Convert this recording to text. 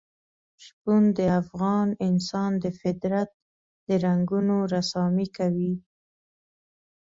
شپون د افغان انسان د فطرت د رنګونو رسامي کوي.